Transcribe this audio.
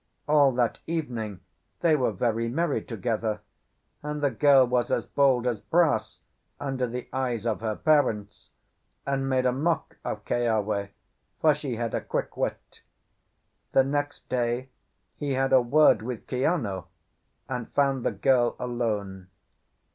All that evening they were very merry together; and the girl was as bold as brass under the eyes of her parents, and made a mock of Keawe, for she had a quick wit. The next day he had a word with Kiano, and found the girl alone.